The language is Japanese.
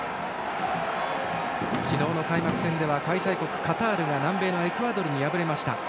昨日の開幕戦では開催国カタール南米のエクアドルに敗れました。